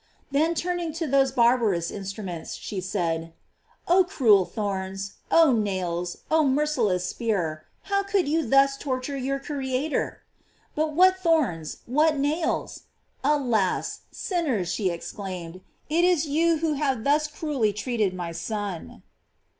Then turning to those barbarous instruments, she said: Oh cruel thorns, oh nails, oh merciless spear, how could you thus torture your Creator? But what thorns, what nails? Alas! sinners, she exclaimed, it is you who have thus cruelly treated my Son.